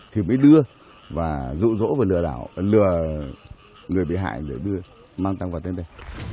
thì mới đưa và rụ rỗ và lừa người bị hại để đưa mang tăng vào tên đây